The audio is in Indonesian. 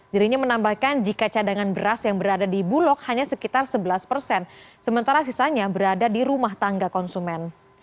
dirinya menambahkan jika cadangan beras yang berada di bulog hanya sekitar sebelas persen sementara sisanya berada di rumah tangga konsumen